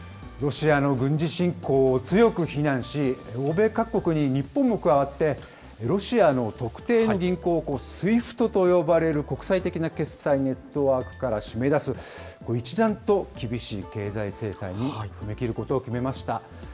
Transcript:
ロシアの軍事侵攻を強く非難し、欧米各国に日本も加わって、ロシアの特定の銀行をＳＷＩＦＴと呼ばれる国際的な決済ネットワークから締め出す、一段と厳しい経済制裁に踏み切ることを決めました。